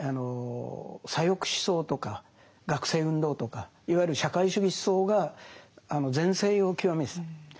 左翼思想とか学生運動とかいわゆる社会主義思想が全盛を極めてた。